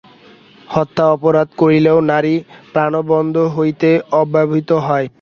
হত্যা-অপরাধ করিলেও নারী প্রাণদণ্ড হইতে অব্যাহতি পায়।